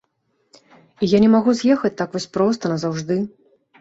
І я не магу з'ехаць так вось проста назаўжды.